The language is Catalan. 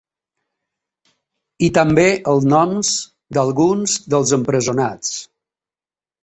I també els noms d’alguns dels empresonats.